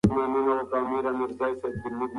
که ته ډېر غوړ وخورې نو هضم به یې ګران وي.